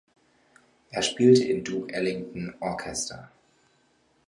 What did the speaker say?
Er spielte im Duke Ellington Orchester.